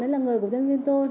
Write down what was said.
đấy là người của doanh viên tôi